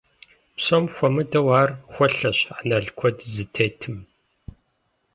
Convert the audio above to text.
Псом хуэмыдэу, ар хуэлъэщ анэл куэд зытетым.